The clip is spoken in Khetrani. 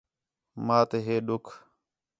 ماں تے ہِے ݙُکھ